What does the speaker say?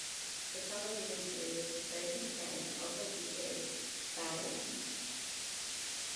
The television series "Birds of Prey" also features batarangs.